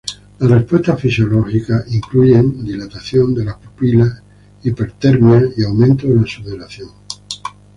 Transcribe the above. Las respuestas fisiológicas incluyen dilatación de las pupilas, hipertermia y aumento de la sudoración.